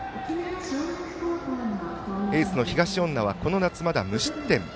エースの東恩納はこの夏、まだ無失点。